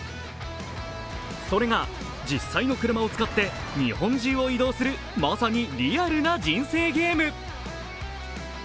それが実際の車を使って日本中を移動するまさに、リアルな人生ゲーム。